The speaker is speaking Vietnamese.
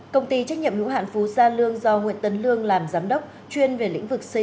công ty trách nhiệm hữu hạn phú gia lương do nguyễn tấn lương làm giám đốc chuyên về lĩnh vực xây